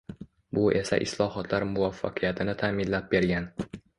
Bu esa islohotlar muvaffaqiyatini ta’minlab bergan.